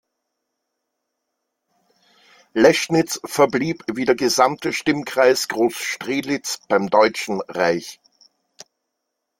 Leschnitz verblieb wie der gesamte Stimmkreis Groß Strehlitz beim Deutschen Reich.